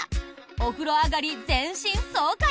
お風呂上がり全身爽快！